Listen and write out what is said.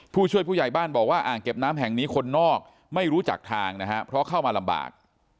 ผู้ช่วยผู้ใหญ่บ้านบอกว่าอ่างเก็บน้ำแห่งนี้คนนอกไม่รู้จักทางนะฮะเพราะเข้ามาลำบาก